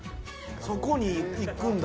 そこにいくんだ。